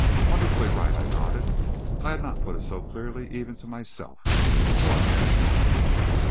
"Wonderfully right," I nodded. "I had not put it so clearly, even to myself. Go ahead."